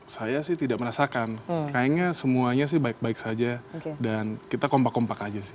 saya sih tidak merasakan kayaknya semuanya sih baik baik saja dan kita kompak kompak aja sih